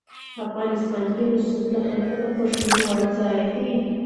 افغانستان کې رسوب د خلکو د خوښې وړ یو ځای دی.